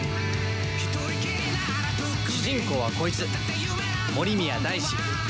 主人公はこいつ森宮大志。